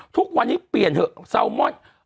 ทุกวันนี้เปลี่ยนเถอะแซลมอน